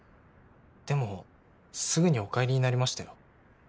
でもすぐにお帰りになりましたよ。